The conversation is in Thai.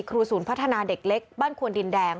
ครูศูนย์พัฒนาเด็กเล็กบ้านควนดินแดง